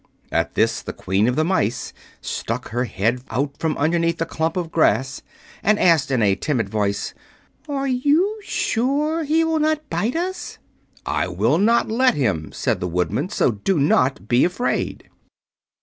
At this the Queen of the Mice stuck her head out from underneath a clump of grass and asked, in a timid voice, "Are you sure he will not bite us?" "I will not let him," said the Woodman; "so do not be afraid."